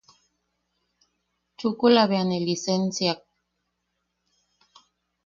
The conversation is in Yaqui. Chukula bea ne lisensiak.